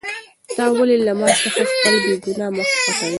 ته ولې له ما څخه خپل بېګناه مخ پټوې؟